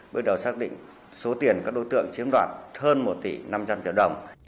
bước đầu xác định số tiền các đối tượng chiếm đoạt hơn một tỷ năm trăm linh triệu đồng